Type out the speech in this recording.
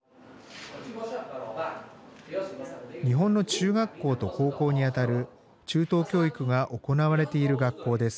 日本の中学校と高校にあたる中等教育が行われている学校です。